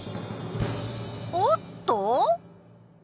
おっと！